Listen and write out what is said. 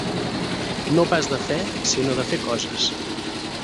No pas de fe, sinó de fer coses.